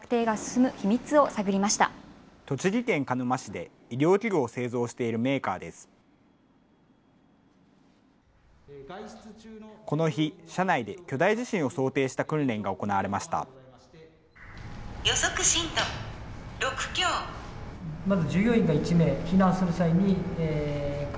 この日、社内で巨大地震を想定した訓練が行われました。